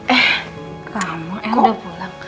eh lama kok